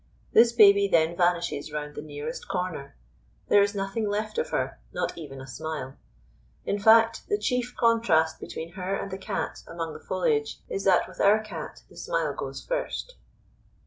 This baby then vanishes round the nearest corner. There is nothing left of her, not even a smile. In fact, the chief contrast between her and the cat among the foliage is that with our Cat the smile goes first.